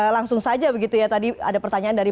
langsung saja begitu ya tadi ada pertanyaan dari